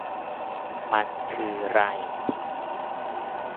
มันคือไร